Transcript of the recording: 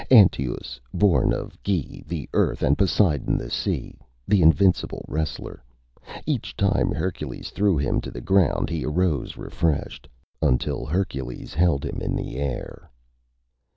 Antaeus, born of Ge, the Earth, and Poseidon, the Sea. The invincible wrestler. Each time Hercules threw him to the ground, he arose refreshed. Until Hercules held him in the air.